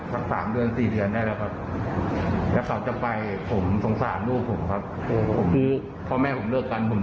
แล้วพอถึงเวลาไปรอรับจะไปส่งเหมือนเดิมครับ